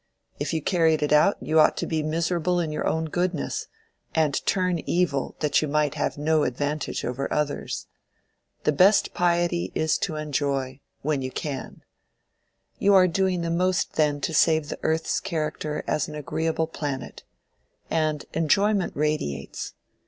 If you carried it out you ought to be miserable in your own goodness, and turn evil that you might have no advantage over others. The best piety is to enjoy—when you can. You are doing the most then to save the earth's character as an agreeable planet. And enjoyment radiates.